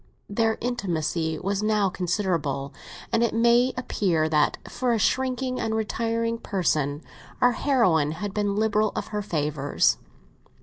Their intimacy was now considerable, and it may appear that for a shrinking and retiring person our heroine had been liberal of her favours.